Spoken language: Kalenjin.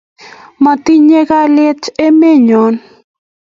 Miten kalyet emet nyon